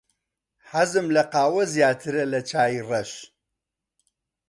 حەزم لە قاوە زیاترە لە چای ڕەش.